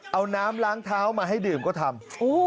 เอาน้ำล้างเท้ามาให้ดื่มก็ทำ